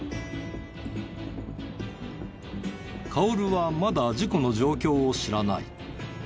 薫はまだ事故の状況を知らない。